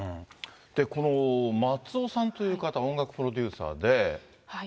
この松尾さんという方、音楽プロデューサーで。